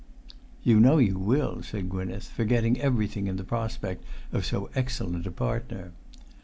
"You know you will," said Gwynneth, forgetting everything in the prospect of so excellent a partner.